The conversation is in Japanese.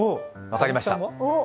分かりました。